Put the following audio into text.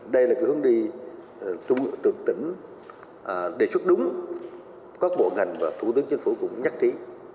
đây là cái hướng đi trường tỉnh đề xuất đúng các bộ ngành và thủ tướng chính phủ cũng nhất trí